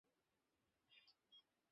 তোমার জন্য কিছু কমিক্সের বই নিয়ে আসবো আমি।